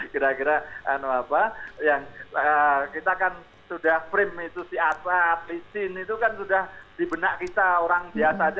kira kira yang kita kan sudah frame itu si asap licin itu kan sudah di benak kita orang biasa saja